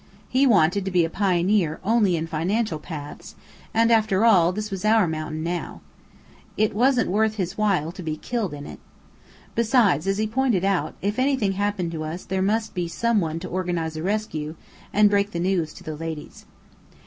He wanted to be a pioneer only in financial paths; and after all, this was our mountain now. It wasn't worth his while to be killed in it. Besides, as he pointed out, if anything happened to us there must be some one to organize a rescue, and break the news to the ladies.